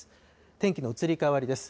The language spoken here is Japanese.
天気の移り変わりです。